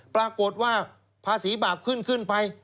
ปรากฏว่าภาษีบาปขึ้นขึ้นไป